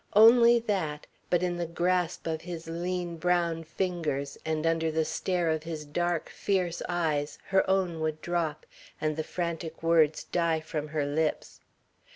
Only that, but in the grasp of his lean, brown fingers and under the stare of his dark, fierce eyes her own would drop, and the frantic words die from her lips.